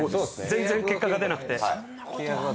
全然結果が出なくて。